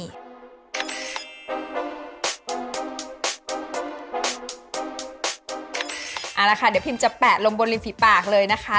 เอาละค่ะเดี๋ยวพิมจะแปะลงบนริมฝีปากเลยนะคะ